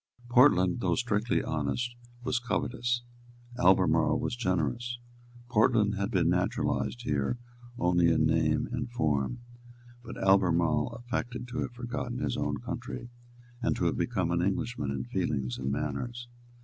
Portland, though strictly honest, was covetous; Albemarle was generous. Portland had been naturalised here only in name and form; but Albemarle affected to have forgotten his own country, and to have become an Englishman in feelings and manners.